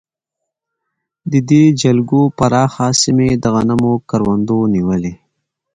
د دې جلګو پراخه سیمې د غنمو کروندو نیولې.